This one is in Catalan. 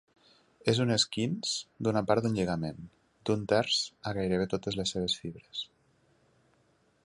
És un esquinç d'una part d'un lligament, d'un terç a gairebé totes les seves fibres.